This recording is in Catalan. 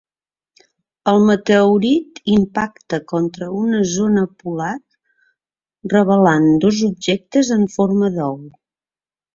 El meteorit impacta contra una zona polar, revelant dos objectes en forma d'ou.